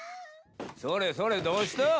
それそれどうした？